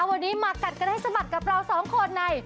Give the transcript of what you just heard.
วันนี้มากัดกันให้สะบัดกับเราสองคนใน